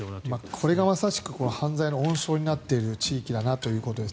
これがまさしくこの犯罪の温床になっている地域だなということです。